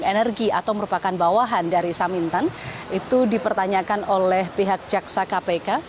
energi atau merupakan bawahan dari samintan itu dipertanyakan oleh pihak jaksa kpk